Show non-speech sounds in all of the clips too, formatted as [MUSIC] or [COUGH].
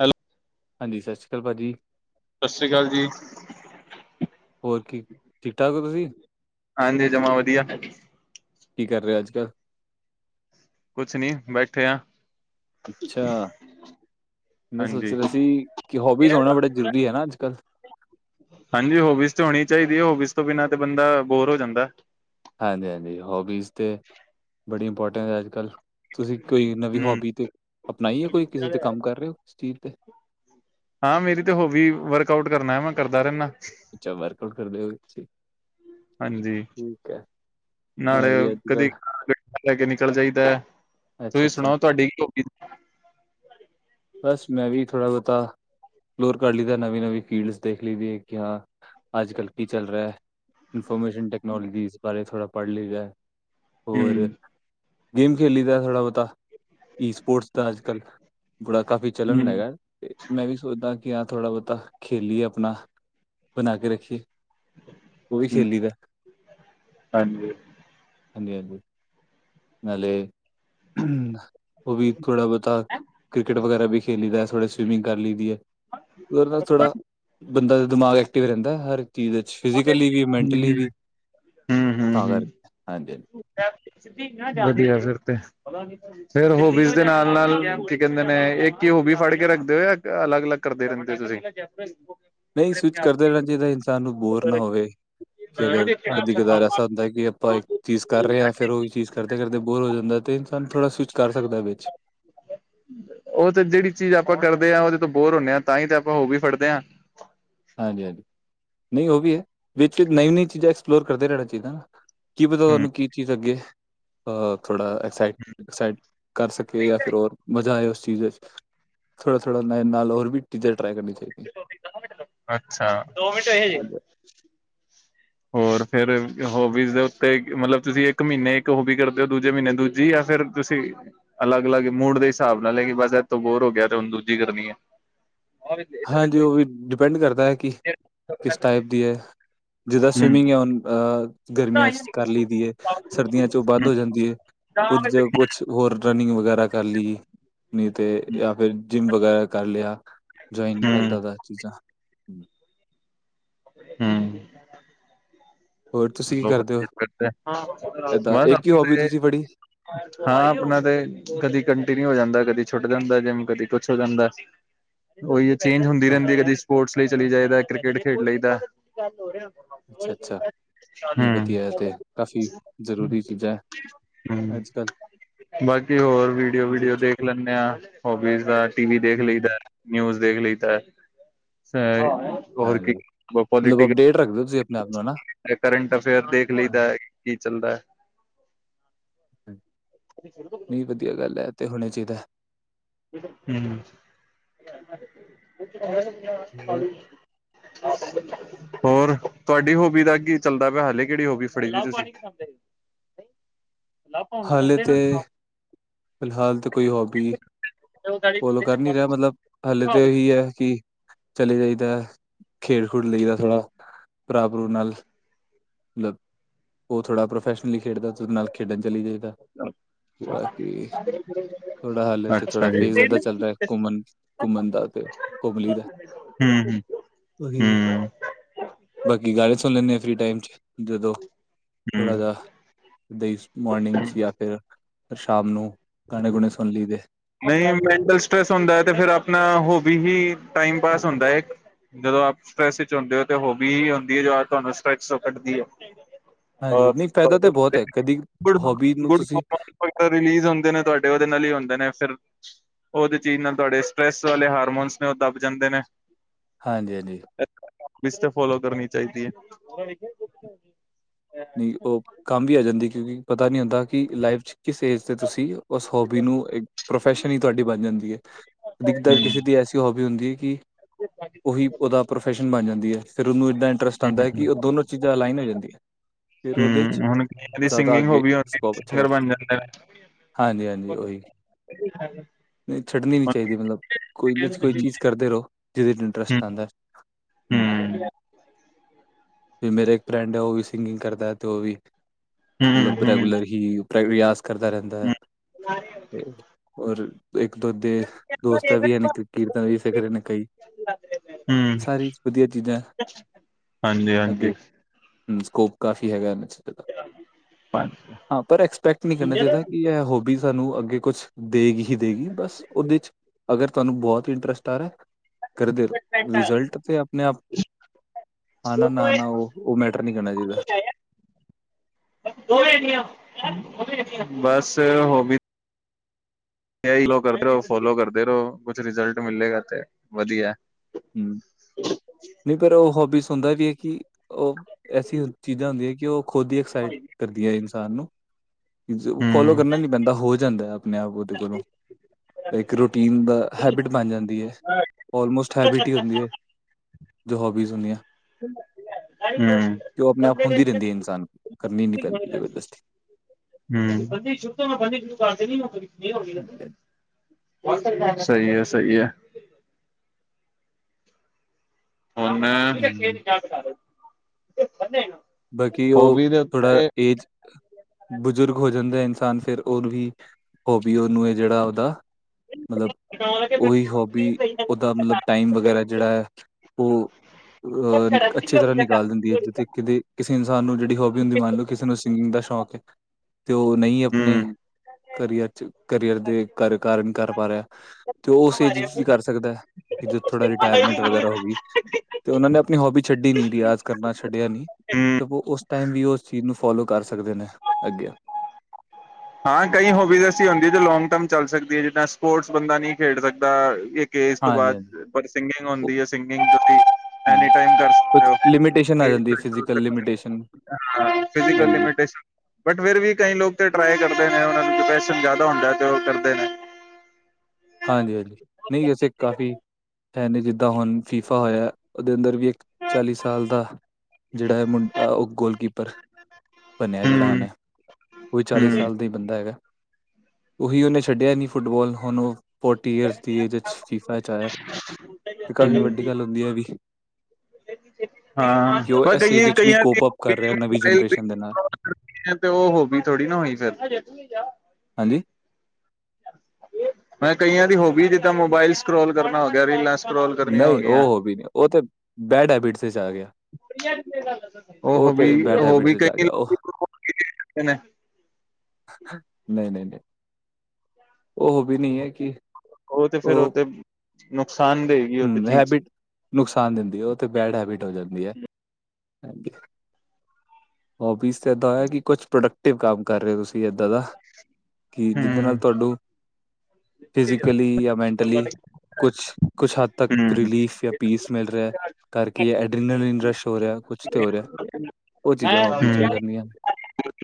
Hello ਹਾਂਜੀ, ਸਤਿ ਸ਼੍ਰੀ ਅਕਾਲ ਭਾਜੀ ਸਤਿ ਸ੍ਰੀ ਅਕਾਲ ਜੀ ਹੋਰ ਕੀ ਠੀਕ ਠਾਕ ਹੋ ਤੁਸੀਂ? ਹਾਂਜੀ ਜਮਾ ਵਧੀਆ ਕੀ ਕਰ ਰਿਹਾ ਅੱਜ-ਕੱਲ ਕੁਛ ਨੀ ਬੈਠੇ ਹਾਂ ਅੱਛਾ, ਮੈਂ ਸੋਚ ਹਾਂਜੀ। ਰਿਹਾ ਸੀ ਕਿ ਹੋਬੀਜ਼ ਹੋਣਾ ਬੜਾ ਜ਼ਰੂਰੀ ਹੈ ਨਾ ਅੱਜ ਕਲ ਹਾਂਜੀ, ਹੋਬੀਸ ਤੇ ਹੋਣੀ ਚਾਹੀਦੀ ਹੈ ਹੋਬਿਸ ਤੋਂ ਬਿਨਾਂ ਤੇ ਬੰਦਾ ਬੋਰ ਹੋ ਜਾਂਦਾ ਹਾਂਜੀ, ਹਾਂਜੀ ਹੋਬੀਜ਼ ਬੜੀ ਇੰਪੋਰਟੈਂਟ ਹੈ ਅੱਜ ਕਲ ਤੁਸੀਂ ਕੋਈ ਨਵੀਂ ਹੂੰ, ਹੋਬੀ ਤੇ ਅਪਣਾਈ ਹੈ ਕੋਈ ਕਿਸੇ ਤੇ ਕੰਮ ਕਰ ਰਹੇ ਹੋ ਚੀਜ਼ ਤੇ ਹਾਂ ਮੇਰੀ ਤੇ ਹੋਬੀ ਵਰਕ ਆਊਟ ਕਰਨਾ ਹੈ ਮੈਂ ਕਰਦਾ ਰਹਿੰਦਾ ਅੱਛਾ ਵਰਕ ਆਊਟ ਕਰਦੇ ਔ, ਹਾਂਜੀ। ਠੀਕ ਹੈ, ਨਾਲੇ ਮੈਂ ਵੀ ਅੱਜ ਕਦੇ ਕੱਲ੍ਹ ਗੱਡੀ ਲੈ ਕੇ ਨਿਕਲ ਜਾਈਦਾ ਅੱਛਾ ਤੁਸੀਂ ਅੱਛਾ ਸੁਣਾਓ ਤੁਹਾਡੀ ਕੀ ਉਮਰ? ਬਸ ਮੈਂ ਵੀ ਥੋੜਾ ਬਹੁਤਾ ਐਪਲੋਰ ਕਰ ਲਦਾ ਨਵੀਂ ਨਵੀਂ ਫੀਲਡਸ ਦੇਖ ਲਈ ਕਿ, ਹਾਂ ਅੱਜ-ਕੱਲ ਕੀ ਚੱਲ ਰਿਹਾ ਹੈ ਇਨਫੋਰਮੇਸ਼ਨ ਟੈਕਨੋਲੋਜੀ ਇਸ ਦੇ ਬਾਰੇ ਥੋੜ੍ਹਾ ਪੜ੍ਹੀ ਲਹਿ ਦਾ ਹੈ ਹੋਰ ਹੂੰ, ਗੇਮ ਖੇਲੀ ਦਾ ਥੋੜ੍ਹਾ ਬਹੁਤਾ ਕੀ ਸਪੋਰਟਸ ਦਾ ਅੱਜ-ਕੱਲ੍ਹ ਬੁੜਰਾ ਕਾਫ਼ੀ ਚੱਲਣ ਹੂੰ, ਹੈਗਾ ਤੇ ਮੈਂ ਵੀ ਸੋਚਦਾ ਕਿ ਹਾਂ ਥੋੜ੍ਹਾ ਬਹੁਤਾ ਖੇਲੀਏ ਆਪਣਾ ਬਣਾ ਕੇ ਰੱਖੀਏ ਉਹ ਵੀ ਹੂੰ ਖੇਲੀ ਦਾ ਹਾਂਜੀ, ਹਾਂਜੀ-ਹਾਂਜੀ, ਨਾਲੇ ਅ ਹਮ ਉਹ ਵੀ ਥੋੜਾ ਬਹੁਤਾ ਕ੍ਰਿਕਟ ਵਗੈਰਾ ਵੀ ਖੇਲੀ ਦਾ । ਥੋੜ੍ਹੇ ਸਵੀਮਿੰਗ ਕਰ ਲਈਦੀ ਹੈ । ਉਹਦੇ ਨਾਲ ਥੋੜ੍ਹਾ ਬੰਦਾ ਦਾ ਦਿਮਾਗ ਐਕਟਿਵ ਰਹਿੰਦਾ ਹਰ । ਅਦੇ ਵਿੱਚ ਫਿਜ਼ਕਲੀ ਵੀ ਹੂੰ, ਮੈਂਨਟਲੀ ਵੀ ਹੂੰ, ਹੂੰ, ਹੂੰ। ਹੂੰ । [INAUDIBLE] [UNINTELLIGIBLE] ਫੜ ਕੇ ਰੱਖਦੇ ਹੋ ਜਾ ਅਲੱਗ ਅਲੱਗ ਕਰਦੇ ਰਹਿੰਦੇ ਹੋ ਤੁਸੀਂ । ਨਹੀਂ ਸਵਿੱਚ ਕਰਦੇ ਰਹਿਣਾ ਚਾਹੀਦਾ ਇਨਸਾਨ ਨੂੰ ਬੋਰ ਨਾ ਹੋਵੇ । ਜੈ ਅਗਰ ਕਦੀ ਕਦਾਰ ਐਸਾ ਹੁੰਦਾ ਕਿ ਆਪਾਂ ਇੱਕ ਚੀਜ਼ ਕਰ ਰਹੇ ਹਾਂ । ਫਿਰ ਉਹੀ ਚੀਜ਼ ਕਰਦੇ- ਕਰਦੇ ਬੋਰ ਹੋ ਜਾਂਦੇ ਹਾਂ । ਤੇ ਸਾਨੂੰ ਥੋੜ੍ਹਾ ਸਵਿੱਚ। ਉਹ ਤੇ ਜਿਹੜੀ ਚੀਜ਼ ਆਪਾਂ ਕਰਦੇ ਹਾਂ ਉਹਦੇ ਤੋਂ ਬੋਰ ਹੁੰਦੇ ਹਾਂ । ਤਾਂਹੀ ਤੇ ਆਪਾਂ ਉਹ ਵੀ ਫੜਦੇ ਹਾਂ ਤਾਂ। ਹਾਂਜੀ ਹਾਂਜੀ ਨਹੀਂ ਉਹ ਵੀ ਹੈ । ਵਿੱਚ ਨਵੀਂ ਨਵੀ ਚੀਜ਼ਾਂ ਐਕਸਪਲੋਰ ਕਰਦੇ ਰਹਿਣਾ ਚਾਹੀਦਾ ਨਾ । ਕੀ ਪਤਾ ਹਮ ਤੁਹਾਨੂੰ ਕੀ ਚੀਜ਼ ਅੱਗੇ? [INAUDIBLE] ਚੀਜ਼ ਥੋੜ੍ਹਾ-ਥੋੜ੍ਹਾ ਨਾਲ ਨਾਲ ਹੋਰ ਵੀ ਚੀਜ਼ਾਂ ਟਰਾਈ ਕਰਨੀਆਂ ਚਾਹੀਦੀਆਂ । ਅੱਛਾ। ਦੋ ਮਿੰਟ ਹੈ ਹਜੇ। ਹੋਰ ਫਿਰ ਹੋਬੀਜ਼ ਦੇ ਉੱਤੇ । ਮਤਲਬ ਤੁਸੀਂ ਇੱਕ ਮਹੀਨੇ ਇੱਕ ਹੋਬੀ ਕਰਦੇ ਹੋ । ਦੂਜੇ ਮਹੀਨੇ ਦੂਜੀ ਜਾਂ ਫਿਰ । ਤੁਸੀਂ ਅਲੱਗ-ਅਲੱਗ ਮੂਡ ਦੇ ਹਿਸਾਬ ਨਾਲ ਹੈ ਕਿ ਬਸ ਇਹ ਤੋਂ ਬੋਰ ਹੋ ਗਿਆ ਤੇ ਹੁਣ ਦੂਜੀ ਕਰਨੀ ਹੈ। ਹਾਂਜੀ ਉਹ ਵੀ ਡਿਪੈਂਡ ਕਰਦਾ ਹੈ ਕਿ ਕਿਸ ਟਾਈਪ ਦੀ ਹੈ ਜਿੱਦਾਂ ਹਮ ਸਵੀਮਿੰਗ ਹੈ ਹੁਣ ਅਹ ਗਰਮੀਆਂ ਚ ਕਰ ਲਈਦੀ ਹੈ । ਸਰਦੀਆਂ ਚ ਉਹ ਬੰਦ ਹੋ ਹਮ ਜਾਂਦੀ ਹੈ । ਕੁਝ ਕੁਝ ਹੋਰ ਰਨਿੰਗ ਵਗੈਰਾ । ਕਰ ਲਈ ਨਹੀ ਤੇ ਜਾਂ ਫਿਰ ਜਿੰਮ ਵਗੈਰਾ ਕਰ ਲਿਆ । ਜਾ ਇਨ ਹਮ ਐਦਾਂ ਦਾ ਚੀਜ਼ਾਂ । ਹਮ । ਹੋਰ ਤੁਸੀਂ ਕੀ ਕਰਦੇ ਹੋ ਏਦਾਂ ਇੱਕ ਹੀ ਹੋਬੀ ਤੁਸੀਂ ਫੜੀ [UNINTELLIGIBLE] ਹਾਂ ਆਪਣਾ ਤੇ ਕਦੀ ਕੰਟੀਨਿਊ ਹੋ ਜਾਂਦਾ ਕਦੀ ਛੁੱਟ । ਜਾਂਦਾ ਜਿਮ ਕਦੇ ਕੁਝ ਹੋ ਜਾਂਦਾ । ਉਹੀ ਚੇਂਜ ਹੁੰਦੀ ਰਹਿੰਦੀ ਹੈ ਕਦੀ ਸਪੋਰਟਸ ਲਈ । ਚਲੀ ਜਾਈਦਾ ਕ੍ਰਿਕਟ ਖੇਡ ਲਈ ਦਾ। ਅੱਛਾ ਅੱਛਾ ਜੀ ਵਧੀਆ ਤੇ ਕਾਫ਼ੀ ਜ਼ਰੂਰੀ ਚੀਜ਼ਾਂ ਹੈ । ਹੂੰ ਅੱਜ ਕੱਲ । ਬਾਕੀ ਹੋਰ ਵੀਡੀਓ ਵੀਡੀਓ ਦੇਖ ਲੈਂਦੇ ਆ । ਹੋਬੀਸ ਦਾ ਟੀਵੀ ਦੇਖ ਹਮ ਲਈਦਾ ਨਿਊਜ਼ । ਦੇਖ ਲਈ ਤਾਂ ਅ ਹੋਰ ਕੀ ਹਾਂਜੀ । ਮਤਲਬ ਅਪਡੇਟ ਰੱਖਦੇ ਓ। ਕਰੰਟ ਅਫੇਅਰ ਦੇਖ ਲਈਦਾ ਹੈ ਕੀ ਚੱਲਦਾ ਹੈ? ਨਹੀਂ ਵਧੀਆ ਗੱਲ ਹੈ ਐ ਤੇ ਹੋਣਾ ਚਾਹੀਦਾ ਹੈ । ਹਮ । ਹੋਰ। ਹੋਰ ਤੁਹਾਡੀ ਹੋਬੀ ਦਾ ਕੀ ਚੱਲਦਾ ਪਿਆ । ਹਾਲੇ ਕਿਹੜੀ ਹੋਬੀ ਫੜੀ ਵੀ ਤੁਸੀਂ । ਲ ਭੌਣ ਹਾਲੇ ਘਟਾਦੇ ਤੇ ਨਾ । ਫਿਲਹਾਲ ਤਾਂ ਕੋਈ ਹੋਬੀ । ਫੋਲੋ ਕਰ ਨੀ ਰਿਹਾ ਮਤਲਬ ਹਲੇ ਤਾਂ ਇਹੀ ਹੈ ਕਿ । ਚਲੇ ਜਾਈਦਾ । ਖੇਡ ਖੂਡ ਲਈ ਦਾ ਥੋੜ੍ਹਾ ਭਰਾ ਭ੍ਰੂ ਨਾਲ । ਮਤਲਬ ਉਹ ਥੋੜ੍ਹਾ ਪ੍ਰੋਫੈਸ਼ਨਲੀ ਖੇਡਦਾ। ਉਹਦੇ ਨਾਲ ਖੇਡਣ ਚਲੀ ਜਾਈਦਾ । ਕੀ ਥੋੜਾ ਹਾਲੇ ਤੇ ਥੋੜਾ ਅੱਛਾ ਜੀ ਫੇਜ਼ ਇੱਦਾ ਚੱਲ ਰਿਹਾ। ਘੁੰਮਣ ਘੁੰਮਣ ਦਾ ਤੇ ਘੁਮ । ਹਮ ਹਮ ਉਹੀ ਹਮ । ਬਾਕੀ ਗਾਣੇ ਸੁਣ ਲੈਂਦੇ ਆਂ ਫ੍ਰਰੀ ਟਾਈਮ ਚ ਜਦੋਂ । ਹੂੰ ਥੋੜ੍ਹਾ ਜਿਹਾ ਦੇਈ ਮੋਰਨਿੰਗ 'ਚ ਜਾਂ ਫਿਰ ਸ਼ਾਮ ਨੂੰ । ਗਾਣੇ ਗੁਣੇ ਸੁਣ ਲਈ ਦੇ । ਨਹੀਂ ਮੈਂਟਲ ਸਟ੍ਰੈਸ ਹੁੰਦਾ ਤੇ ਫਿਰ ਆਪਣਾ ਹੋਬੀ ਹੀ ਟਾਈਮ ਪਾਸ ਹੁੰਦਾ ਹੈ ਇਕ। ਜਦੋਂ ਆਪ ਸਟਰ੍ਰੈਸ ਵਿੱਚ ਹੁੰਦੇ ਹੋ ਤਾਂ ਹੋਬੀ ਹੀ ਹੁੰਦੀ ਹੈ ਜੋ ਤੁਹਾਨੂੰ ਸਟਰੈਸ ਵਿਚ ਕੱਢਦੀ ਹੈ। ਹਾਂਜੀ ਅਹ ਨਹੀਂ ਫਾਇਦਾ ਤੇ ਬਹੁਤ ਹੈ ਕਦੀ ਗੁਡ, ਹੋਬੀ ਨੂੰ ਤੁਸੀਂ ਗੁਡ ਰਿਲੀਜ਼ ਹੁੰਦੇ ਨੇ ਤੁਹਾਡੇ ਉਹਦੇ ਨਾਲ ਹੀ ਹੁੰਦੇ ਨੇ। ਫਿਰ ਉਹਦੇ ਚੀਜ਼ ਨਾਲ ਤੁਹਾਡੇ ਸਟਰ੍ਰੈਸ ਵਾਲੇ ਹਾਰਮੋਨਸ ਨੇ ਉਹ ਦੱਬ ਜਾਂਦੇ ਨੇ। ਹਾਂਜੀ-ਹਾਂਜੀ ਬਿਸਤੇ ਫੋਲੋ ਕਰਨੀ ਚਾਹੀਦੀ ਹੈ। ਨਹੀਂ ਉਹ ਕੰਮ ਵੀ ਆ ਜਾਂਦੀ ਕਿਉਂਕਿ ਪਤਾ ਨਹੀਂ ਹੁੰਦਾ। ਕਿ ਲਾਈਫ 'ਚ ਕਿਸ ਏਜ 'ਤੇ ਤੁਸੀਂ ਉਸ ਹੋਬੀ ਨੂੰ ਇੱਕ ਪ੍ਰੋਫੈਸ਼ਨ ਹੀ ਤੁਹਾਡੀ ਬਣ ਜਾਂਦੀ ਹੈ। ਇਕ ਤਾ ਕਿਸੇ ਦੀ ਐਸੀ ਹੋਬੀ ਹੁੰਦੀ ਹੈ ਕਿ। [INAUDIBLE] ਉਹੀ ਉਹਦਾ ਪ੍ਰੋਫੈਸ਼ਨ ਬਣ ਜਾਂਦੀ ਹੈ। ਫਿਰ ਉਹਨੂੰ ਇੱਦਾਂ ਇੰਟਰਸਟ ਹੂੰ, ਆਉਂਦਾ ਹੈ ਕਿ ਉਹ ਹੂੰ, ਦੋਨੋਂ ਚੀਜ਼ਾਂ ਅਲਾਈਨ ਹੋ ਜਾਂਦੀਆਂ। ਫਿਰ ਉਹਦੇ ਚ ਹੂੰ ਹੁਣ ਕਈਆਂ ਦੀ ਜ਼ਿਆਦਾ ਸਿੰਗਿੰਗ ਅੱਗੇ ਹੋਬੀ ਹੁੰਦੀ ਸਕੋਪ ਅੱਛਾ ਕਰ ਸਿੰਗਰ ਬਣ ਸਕਦੈ ਜਾਂਦੇ ਨੇ। ਹਾਂਜੀ-ਹਾਂਜੀ। ਉਹੀ ਹਾਂਜੀ ਛੱਡਣੀ ਨੀ ਚਾਹੀਦੀ ਮਤਲਬ ਕੋਈ ਇਹਦੇ ਚ ਕੋਈ ਚੀਜ਼ ਕਰਦੇ ਰਹੋ ਜਿਹਦੇ ਚ ਇੰਟਰਸਟ ਆਉਂਦਾ। ਹੂੰ, ਹਮ ਵੀ ਮੇਰਾ ਇੱਕ ਫਰੈਂਡ ਹੈ ਉਹ ਵੀ ਸਿੰਗਿੰਗ ਕਰਦਾ ਹੈ ਤੇ ਉਹ ਵੀ। ਮਤਲਬ ਹੂੰ। ਰੈਗੂਲਰ ਹੀ ਰਿਆਜ਼ ਕਰਦਾ ਰਹਿੰਦਾ ਹੈ ਤੇ। ਔਰ ਇੱਕ ਦੋ ਉਹਦੇ ਦੋਸਤ ਵੀ ਹਨ। ਇੱਕ ਕੀਰਤਨ ਵੀ ਸਿੱਖ ਰਹੇ ਨੇ ਕਈ। ਸਾਰੀ ਵਧੀਆ ਚੀਜ਼ਾਂ ਐ। ਹਾਂ ਜੀ ਹਾਂ ਜੀ। ਸਕੋਪ ਕਾਫੀ ਹੈਗਾ ਇਹਨਾਂ 'ਚ । ਹਾਂ ਪਰ ਐਕਸਪੈਕਟ ਨਹੀਂ ਕਰਨਾ ਚਾਹੀਦਾ, ਕਿ ਇਹ ਹੋਬੀਸ। ਸਾਨੂੰ ਅੱਗੇ ਕੁਛ ਦਏਗੀ ਹੀ ਦਏਗੀ, ਬਸ ਉਹਦੇ ਚ ਅਗਰ ਤੁਹਾਨੂੰ ਬਹੁਤ ਇੰਟਰਸਟ ਆ ਰਿਹਾ। ਕਰਦੇ ਰਹੋ। ਰਿਜ਼ਲਟ ਤੇ ਆਪਣੇ ਆਪ ਨਾ ਨਾ ਨਾ ਨਾ ਉਹ ਉਹ ਮੈਟਰ ਨਹੀਂ ਕਰਨਾ ਚਾਹੀਦਾ। ਬੱਸ ਹੋ ਵੀ ਇਹੀ ਲੋ ਕਰਦੇ ਰਹੋ । ਫੋਲੋ ਕਰਦੇ ਰਹੋ । ਕੁਛ ਰਿਜਲਟ ਮਿਲੇਗਾ ਤੇ ਵਧੀਆ। ਹਮ! ਨਹੀਂ ਪਰ ਉਹ ਹੋਬੀਜ਼ ਹੁੰਦਾ ਵੀ ਹੈ। ਕਿ ਉਹ ਐਸੀ ਚੀਜ਼ਾਂ ਹੁੰਦੀਆਂ ਹੈ, ਕਿ ਉਹ ਖੁਦ ਹੀ ਐਕਸਾਈਟ ਕਰਦੀਆਂ ਇਨਸਾਨ ਨੂੰ । ਫੋਲੋ ਹੂੰ। ਕਰਨਾ ਨੀ ਪੈਂਦਾ ਹੋ ਜਾਂਦਾ ਆਪਣੇ ਆਪ ਉਹਦੇ ਕੋਲੋਂ। ਇੱਕ ਰੂਟੀਨ ਦਾ ਹੈਬਿਟ ਬਣ ਜਾਂਦੀ ਹੈ । ਆਲਮੋਸਟ ਹੈਬਿਟ ਹੀ ਹੁੰਦੀ ਹੈ। ਜੋ ਹੋਬੀਜ਼ ਹੁੰਦੀਆਂ। ਹੂੰ। ਤੇ ਉਹ ਆਪਣੇ ਆਪ ਹੁੰਦੀ ਰਹਿੰਦੀ ਹੈ। ਇਨਸਾਨ ਕਰਨੀ ਨੀ ਪੈਂਦੀ ਜਬਰਦਸਤੀ। ਬੰ ਸ਼ੁ ਤੋਂ ਮੈਂ ਬੰ ਸ਼ ਕਰ ਨੀ ਹੋ ਹਾਂਜੀ, ਹਾਂਜੀ। [INAUDIBLE] ਸਹੀ ਹੈ, ਸਹੀ ਹੈ। ਹੁਣ ਮੈਂ ਹੂੰ। ਬਾਕੀ, ਉਹ ਥੋੜਾ ਏਜ ਬਜ਼ੁਰਗ ਹੋ ਜਾਂਦਾ। ਇਨਸਾਨ, ਫਿਰ ਉਹਨੂੰ ਵੀ ਹੋਬੀ ਉਹਨੂੰ, ਜਿਹੜਾ ਉਹਦਾ ਮਤਲਬ। ਉਹੀ ਹੋਬੀ, ਉਹਦਾ ਮਤਲਬ ਟਾਈਮ ਵਗੈਰਾ ਜਿਹੜਾ ਹੈ, ਉਹ। ਅਹ ਅੱਛੀ ਤਰ੍ਹਾਂ ਨਿਕਾਲ ਦਿੰਦੀ ਹੈ । ਜਿੱਥੇ ਕਿਤੇ ਕਿਸੇ ਇਨਸਾਨ ਨੂੰ ਜਿਹੜੀ ਹੋਬੀ ਹੁੰਦੀ। ਮੰਨ ਲਓ ਕਿਸੇ ਨੂੰ ਸਿੰਗਿੰਗ ਦਾ ਸ਼ੌਂਕ ਹੈ ਤੇ ਉਹ ਨਹੀਂ ਆਪਣੇ ਹੂੰ ਕਰੀਅਰ ਚ ਕਰੀਅਰ ਦੇ ਕਰ ਕਾਰਨ ਕਰ ਪਾ ਰਿਹਾ ਤੇ ਉਸ ਏਜ ਵਿੱਚ ਵੀ ਕਰ ਸਕਦਾ ਹੈ। ਕਿਧਰ ਥੋੜਾ ਰਿਟਾਇਰਮੈਂਟ ਵਗੈਰਾ ਹੋ ਗਈ। ਤੇ ਉਹਨਾਂ ਨੇ ਆਪਣੀ ਹੋਬੀ ਛੱਡੀ ਨਹੀਂ ਰਿਆਜ਼ ਕਰਨਾ ਛੱਡਿਆ ਨਹੀਂ। ਹੂੰ ਤੇ ਉਹ ਉਸ ਟਾਈਮ ਵੀ ਉਸ ਚੀਜ਼ ਨੂੰ ਫੋਲੋ ਕਰ ਸਕਦੇ ਨੇ ਅੱਗੇ। ਹਾਂ ਕਈ ਹੋਬੀਜ਼ ਐਸੀਂ ਹੁੰਦੀ ਜੋ ਲੋਂਗ ਟਰਮ ਚੱਲ ਸਕਦੀ ਹੈ। ਜਿੱਦਾਂ ਸਪੋਰਟਸ ਬੰਦਾ ਨਹੀਂ ਖੇਡ ਸਕਦਾ। ਕੇ ਇਸ ਤੋਂ ਹਾਂਜੀ ਬਾਅਦ ਹਾਂਜੀ ਬੜ ਸਿੰਗਿੰਗ ਉਹ ਹੁੰਦੀ ਹੈ। ਸਿੰਗਿੰਗ ਜਲਦੀ ਐਨੀ ਹਾਂਜੀ, ਟਾਈਮ ਕਰ ਸਕਦੇ ਕੁਛ ਹੋ। ਲਿਮੀਟੇਸ਼ਨ ਆ ਜਾਂਦੀ ਹੈ ਫਿਜ਼ੀਕਲ ਲਿਮੀਟੇਸ਼ਨ ਫਿਜੀਕਲ ਹਾਂਜੀ। ਫਿਟ ।ਬਟ ਫਿਰ ਵੀ ਕਈ ਲੋਕ ਕਰਦੇ ਨੇ ਉਹਨਾਂ ਨੂੰ ਡਿਪਰੈਸ਼ਨ ਜ਼ਿਆਦਾ ਹੁੰਦਾ ਜੋ ਕਰਦੇ ਨੇ। ਹਾਂਜੀ-ਹਾਂਜੀ, ਨਹੀਂ ਵੈਸੇ ਕਾਫ਼ੀ ਹੈ ਨੇ ਜਿੱਦਾਂ ਹੁਣ ਫੀਫਾ ਹੋਇਆ ਉਹਦੇ ਅੰਦਰ ਵੀ ਇੱਕ ਚਾਲੀ ਸਾਲ ਦਾ ਜਿਹੜਾ ਹੈ ਮੁੰਡਾ ਉਹ ਗੋਲਕੀਪਰ ਬਣਿਆ ਜਿਹੜਾ ਹੂੰ ਉਹਨੇ ਕੋਈ ਚਾਲੀ ਹੂੰ ਸਾਲ ਦਾ ਹੀ ਬੰਦਾ ਹੈਗਾ। ਉਹੀ ਉਹਨੇ ਛੱਡਿਆ ਨੀ ਫੁੱਟਬਾਲ ਹੁਣ ਉਹ ਫੋਰਟੀ ਈਅਰਸ ਦੀ ਏਜ ਫੀਫਾ ਚ ਆਇਆ ਤੇ ਕਾਫ਼ੀ ਵੱਡੀ ਗੱਲ ਹੁੰਦੀ ਹੈ ਵੀ। ਹਾਂ, ਉਹ ਪਰ ਇਸ ਏਜ ਕਈ ਵਿੱਚ ਵੀ ਕਈਆਂ ਕੋਪ ਅਪ ਕਰ ਰਿਹਾ ਨਵੀਂ ਬਲ ਜਨਰੇਸ਼ਨ ਦੇ ਨਾਲ ਤੇ ਉਹ ਹੋਗੀ ਥੋੜੀ ਨਾ ਹੋਈ ਫਿਰ ਹਾਂਜੀ, ਮੈਂ ਕਈਆਂ ਦੀ ਹੋਬ ਜਿੱਦਾਂ ਮੋਬਾਇਲ ਸਕਰੋਲ ਕਰਨਾ ਹੋ ਗਿਆ ਰੀਲਾਂ ਸਕਰੋਲ ਕਰਨੀਆਂ ਨਹੀਂ ਗਈਆਂ ਉਹ ਹੋ ਵੀ ਨਹੀਂ ਉਹ ਤੇ ਬੈਡ ਹੈਬਿਟਸ ਆ ਗਿਆ। ਉਹ ਤੇ ਵੀ, ਬੈਡ ਉਹ ਵੀ ਹੈਬਿਟਸ ਚ ਆ ਕਈ ਗਿਆ ਉਹ ਲੋਕ ਨੇ। ਨਹੀਂ-ਨਹੀਂ- ਨਹੀਂ। ਉਹ ਵੀ ਨਹੀ ਹੈ ਕਿ ਉਹ ਤੇ ਫੇਰ ਉਥੇ ਹੂੰ ਹੈਬਿਟ ਨੁਕਸਾਨ ਦਿੰਦੀ ਹੈ ਤੇ ਬੈਡ ਹੈਬਿਟ ਹੋ ਜਾਂਦੀ ਹੈ। ਹਾਂਜੀ। ਹੋਬੀਜ਼ ਤੇ ਇੱਦਾਂ ਹੋਇਆ ਕਿ ਕੁਛ ਪ੍ਰੋਡਕਟਿਵ ਕੰਮ ਕਰ ਰਹੇ ਹੋ ਤੁਸੀਂ, ਕੀ ਏਦਾਂ ਦਾ ਕਿ ਹੂੰ ਜਿਦੇ ਨਾਲ ਤੁਹਾਨੂੰ ਫਿਜ਼ਕਲੀ ਜਾਂ ਮੈਂਟਲੀ, ਕੁਛ-ਕੁਛ ਹੱਦ ਤੱਕ ਹੂੰ ਰਲੀਫ ਜਾਂ ਪੀਸ ਮਿਲ ਰਿਹਾ ਕਰਕੇ ਐਡਰੀਨ ਇਰਸਟ ਹੋ ਰਿਹਾ ਕੁਛ ਤੇ ਹੋ ਰਿਹਾ। ਉਹ ਚੀਜ਼ਾਂ ਹੋਬੀ ਚ ਆ ਜਾਂਦੀਆਂ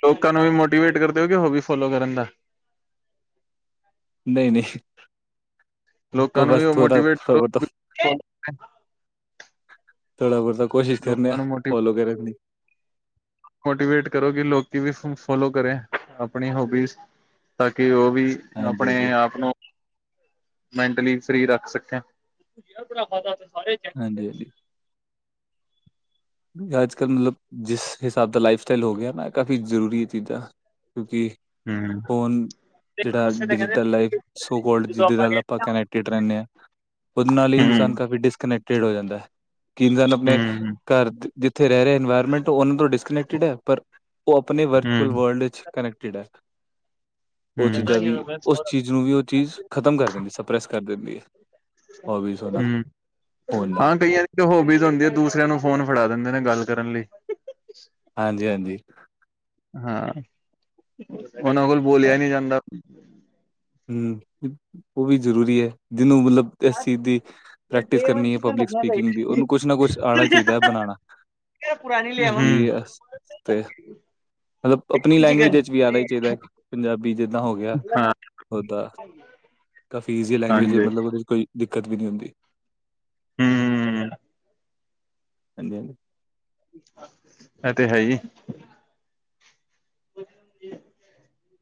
ਲੋਕਾਂ ਨੂੰ ਵੀ ਮੋਟੀਵੇਟ ਕਰ ਦਿਓਗੇ ਹੋ ਵੀ ਫੋਲੋ ਕਰਨ ਦਾ, ਨਹੀਂ-ਨਹੀਂ, ਲੋਕਾਂ ਨੂੰ ਬਸ ਵੀ ਉਹ ਤੂੰਦਾ ਬਬ ਮੋਟੀਵੇਟ ਤੋਂ, ਕਰੋ ਥੋੜ੍ਹਾ ਬਹੁਤਾ ਤਾਂ ਕੋਸ਼ਿਸ਼ ਕਰਨੇ ਆ ਲੋਕਾਂ ਨੂੰ ਮੋਟੀ ਫੋਲੋ ਕਰਨ ਦੀ, ਮੋਟੀਵੇਟ ਕਰੋ ਕਿ ਲੋਕੀ ਵੀ ਫੋਲੋ ਕਰੇ ਆਪਣੀ ਹੋਬੀਜ਼ ਤਾਂ ਕਿ ਉਹ, ਵੀ ਹਾਂਜੀ ਹਾਂਜੀ ਆਪਣੇ ਆਪ ਨੂੰ ਮੈਂਟਲੀ, ਫਰੀ ਰੱਖ ਸਕੇ। ਹਾਂਜੀ-ਹਾਂਜੀ, ਅੱਜ-ਕੱਲ੍ਹ ਮਤਲਬ ਜਿਸ ਹਿਸਾਬ ਦਾ ਲਾਈਫ ਸਟਾਈਲ ਹੋ ਗਿਆ ਨਾ ਕਾਫ਼ੀ ਜ਼ਰੂਰੀ ਹੈ ਚੀਜ਼ਾਂ, ਕਿਉਂਕਿ ਹੂੰ ਫੋਨ, ਜਿਹੜਾ ਡਿਜੀਟਲ ਲਾਈਫ ਸੋ ਕੋਲ ਜਿਹਦੇ ਨਾਲ ਆਪਾਂ ਕਨੈਕਟਿਡ ਰਹਿੰਦੇ ਹਾਂ। ਉਹਦੇ ਨਾਲ ਹੀ ਇਨਸਾਨ ਹੂੰ ਕਾਫ਼ੀ ਡਿਸਕਨੈਕਟਿਡ ਹੋ ਜਾਂਦਾ ਹੈ ਕਿ ਇਨਸਾਨ ਆਪਣੇ, ਹੂੰ ਘਰ ਜਿੱਥੇ ਰਹਿ ਰਹੇ ਇਨਵਾਇਰਮੈਂਟ ਉਹਨਾਂ ਤੋਂ ਡਿਸਕਨੈਕਟਿਡ ਹੈ ਪਰ, ਉਹ ਆਪਣੇ ਵਰਚੁਅਲ ਹੂੰ ਵਰਲਡ ਵਿੱਚ ਕਨੈਕਟਿਡ ਹੈ। ਉਹ ਹੂੰ ਚੀਜ਼ਾਂ ਵੀ ਉਸ ਚੀਜ਼ ਨੂੰ ਵੀ ਉਹ ਚੀਜ਼ ਖ਼ਤਮ ਕਰ ਦਿੰਦੀ ਸਪ੍ਰੈਸ ਕਰ ਦਿੰਦੀ ਹੈ। ਹੋਬੀਜ਼ ਹੋਣਾ ਹੂੰ ਫੋਨ ਨਾਲ ਹਾਂ ਕਈਆਂ ਦੀ ਹੋਬੀਜ਼ ਹੁੰਦੀ ਹੈ ਦੂਸਰਿਆਂ ਨੂੰ, ਫੋਨ ਫੜਾ ਦਿੰਦੇ ਨੇ ਗੱਲ ਕਰਨ ਲਈ, ਹਾਂਜੀ-ਹਾਂਜੀ, ਹਾਂ ਉਹਨਾਂ ਕੋਲ ਬੋਲਿਆ ਹੀ ਨਹੀਂ ਜਾਂਦਾ। ਹੂੰ ਉਹ ਵੀ ਜ਼ਰੂਰੀ ਹੈ। ਜਿਹਨੂੰ ਮਤਲਬ ਇਸ ਚੀਜ਼ ਦੀ ਪ੍ਰੈਕਟਿਸ ਕਰਨੀ ਹੈ ਪਬਲਿਕ ਸਪੀਕਿੰਗ ਦੀ ਉਹਨੂੰ ਕੁਛ ਨਾ ਕੁਛ ਆਣਾ ਚਾਹੀਦਾ ਹੈ, ਬਣਾਉਣਾ। ਜੀ ਅਸਤੇ, ਮਤਲਬ ਆਪਣੀ ਲੈਂਗੁਏਜ ਵਿੱਚ ਵੀ ਆਣਾ ਹੀ ਚਾਹੀਦਾ ਪੰਜਾਬੀ ਜਿੱਦਾਂ ਹੋ ਗਿਆ ਹਾਂ ਓਦਾਂ, ਕਾਫੀ ਈਜ਼ੀਆ ਲੈਂਗੁਏਜ ਹਾਂਜੀ ਹੂੰ ਮਤਲਬ ਉਹਦੇ 'ਚ ਕੋਈ ਦਿੱਕਤ ਵੀ ਨਹੀਂ ਆਦੀ। ਹੂੰ-ਹੂੰ, ਹਾਂਜੀ-ਹਾਂਜੀ, ਇਹ ਤੇ ਹੈ ਹੀ, [UNINTELLIGIBLE]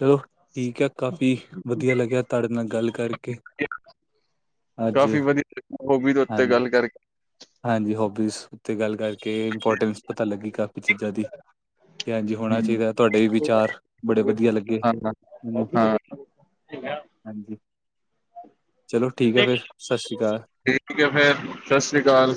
ਚਲੋ ਠੀਕ ਹੈ ਕਾਫੀ ਵਧੀਆ ਲੱਗਿਆ ਤੁਹਾਡੇ ਨਾਲ ਗੱਲ ਕਰਕੇ ਅੱਜ ਕਾਫੀ ਵਧੀਆ [UNINTELLIGIBLE] ਤੇ ਉੱਤੇ ਹਾਂਜੀ ਗੱਲ ਕਰਕੇ ਹਾਂਜੀ ਹੋਬੀਜ਼ ਉੱਤੇ ਗੱਲ ਕਰਕੇ ਇੰਪੋਰਟੈਂਸ ਪਤਾ ਲੱਗੀ ਕਾਫ਼ੀ ਚੀਜ਼ਾਂ ਦੀ ਕਿ ਹਾਂਜੀ ਹੋਣਾ ਹੂੰ ਚਾਹੀਦਾ ਤੁਹਾਡੇ ਵੀ ਵਿਚਾਰ ਬੜੇ ਵਧੀਆ ਲੱਗੇ ਹਾਂ ਮੈਨੂੰ ਹਾਂ ਹਾਂਜੀ ਚਲੋ ਠੀਕ ਹੈ ਫਿਰ ਸਤਿ ਸ਼੍ਰੀ ਅਕਾਲ ਠੀਕ ਹੈ ਫਿਰ ਸਤਿ ਸ਼੍ਰੀ ਅਕਾਲ